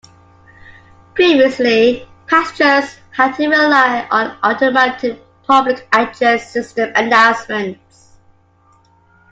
Previously, passengers had to rely on automated public-address system announcements.